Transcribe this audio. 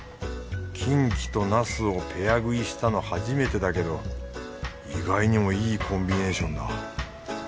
キンキと茄子をペア食いしたの初めてだけど意外にもいいコンビネーションだ。